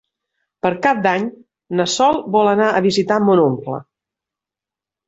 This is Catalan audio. Per Cap d'Any na Sol vol anar a visitar mon oncle.